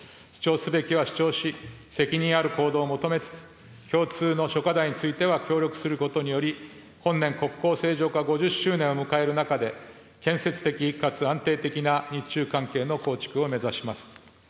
主張すべきは主張し、責任ある行動を求めつつ、共通の諸課題については協力することにより、本年、国交正常化５０周年を迎える中で、建設的かつ安定的な日中関係の構築を目指します。